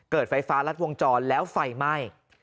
เกิดไฟฟ้ารัดวงจรแล้วไฟไหม้